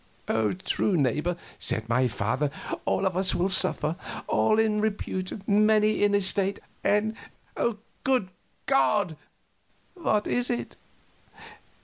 "True, neighbor," said my father; "all of us will suffer all in repute, many in estate. And, good God! " "What is it?"